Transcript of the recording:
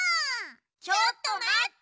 ちょっとまって！